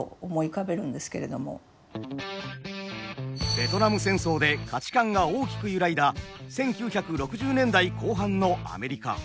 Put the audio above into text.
べトナム戦争で価値観が大きく揺らいだ１９６０年代後半のアメリカ。